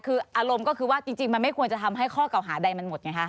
คืออารมณ์ก็คือว่าจริงมันไม่ควรจะทำให้ข้อเก่าหาใดมันหมดไงคะ